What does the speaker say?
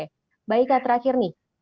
mbak ika terakhir nih